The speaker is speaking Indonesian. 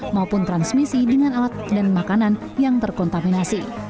maupun transmisi dengan alat dan makanan yang terkontaminasi